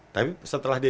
tapi setelah dia